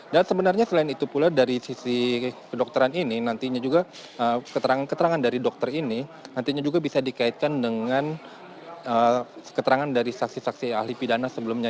dan sebenarnya selain itu pula dari sisi kedokteran ini nantinya juga keterangan keterangan dari dokter ini nantinya juga bisa dikaitkan dengan keterangan dari saksi saksi ahli pidana sebelumnya